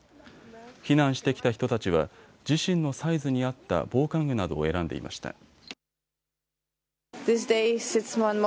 避難してきた人たちは自身のサイズに合った防寒具などを選んでいました。